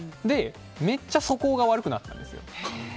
めっちゃ素行が悪くなったんですよ。